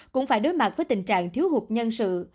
cũng phải đối mặt với tình trạng thiếu hụt nhân sự